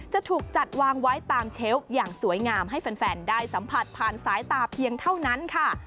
จะถูกจัดวางไว้ตามเชลล์อย่างสวยงามให้แฟนได้สัมผัสผ่านสายตาเพียงเท่านั้นค่ะ